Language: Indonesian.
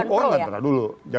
oh ngakut dulu